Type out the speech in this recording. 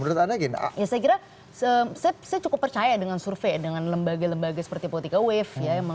ya saya kira saya cukup percaya dengan survei dengan lembaga lembaga seperti politika wave